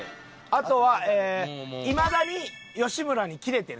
あとはいまだに吉村に「キレてる」